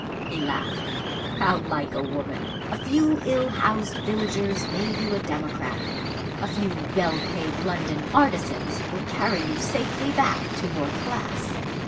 He laughed. "How like a woman! A few ill housed villagers made you a democrat. A few well paid London artisans will carry you safely back to your class.